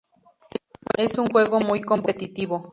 Es un juego muy competitivo.